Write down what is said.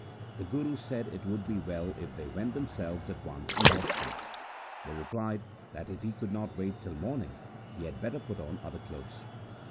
The Guru said it would be well if they went themselves at once and washed them. They replied, that, if he could not wait till morning, he had better put on other clothes.